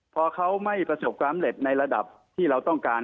พอเขาไม่ประสบความสำเร็จในระดับที่เราต้องการ